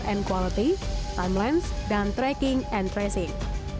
dramatik dan kualitas timelines dan tracking and tracing